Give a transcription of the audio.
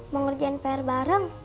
mengerjain pr bareng